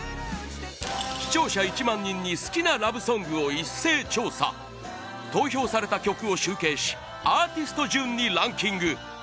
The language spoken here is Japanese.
視聴者１万人に好きなラブソングを一斉調査投票された曲を集計しアーティスト順にランキング